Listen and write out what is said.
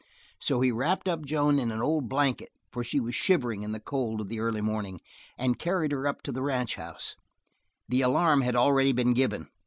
So he wrapped up Joan in an old blanket, for she was shivering in the cold of the early morning, and carried her up to the ranchhouse. The alarm had already been given.